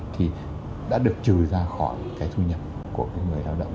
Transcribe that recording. thì đã được trừ ra khỏi cái thu nhập của cái người lao động